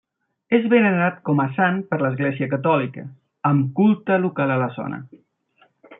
És venerat com a sant per l'Església catòlica, amb culte local a la zona.